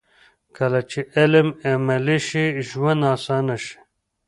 کله چې علم عملي شي، ژوند اسانه شي.